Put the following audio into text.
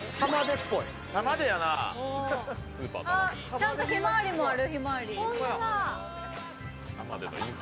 ちゃんとひまわりもある。